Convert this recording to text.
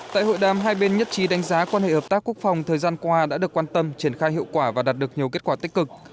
tại hội đàm hai bên nhất trí đánh giá quan hệ hợp tác quốc phòng thời gian qua đã được quan tâm triển khai hiệu quả và đạt được nhiều kết quả tích cực